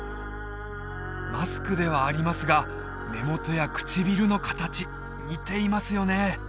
マスクではありますが目元や唇の形似ていますよね